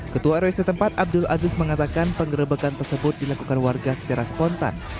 ketua rw setempat abdul aziz mengatakan penggerebekan tersebut dilakukan warga secara spontan